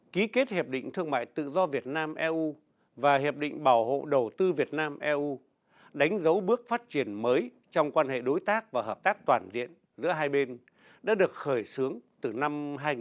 ký kết hiệp định thương mại tự do việt nam eu và hiệp định bảo hộ đầu tư việt nam eu đánh dấu bước phát triển mới trong quan hệ đối tác và hợp tác toàn diện giữa hai bên đã được khởi xướng từ năm hai nghìn một mươi